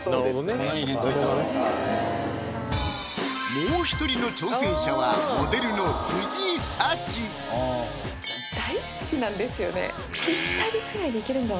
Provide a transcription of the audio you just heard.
もう一人の挑戦者は大好きなんですよね